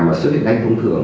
mà xuất huyết đánh thông thường